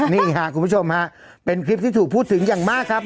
นี่ค่ะคุณผู้ชมฮะเป็นคลิปที่ถูกพูดถึงอย่างมากครับ